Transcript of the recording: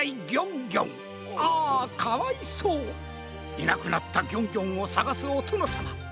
いなくなったギョンギョンをさがすおとのさま。